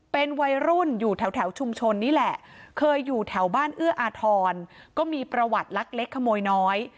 เป็นวัยรุ่นอยู่แถวชุมชนนี่แหละเคยอยู่แถวบ้านเอื้ออาทรก็มีประวัติลักเล็กขโมยน้อย